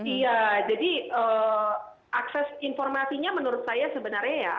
iya jadi akses informasinya menurut saya sebenarnya ya